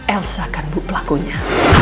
elsa kan bu pelakunya